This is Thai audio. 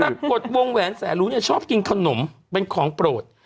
ปรากฏวงแหวนแสนรู้เนี่ยชอบกินขนมเป็นของโปรด